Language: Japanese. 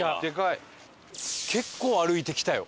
結構歩いてきたよ。